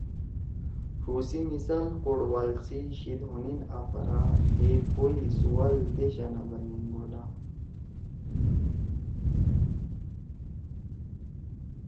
ڙو سی مثال کوڑوال سی شیِد ہونیِن آفرا تھیئے کوئی سُوال دیشا نہ بن انگولا